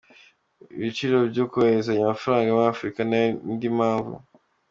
Ibiciro byo kohererezanya amafaranga muri Afurika nayo ni indi mpamvu.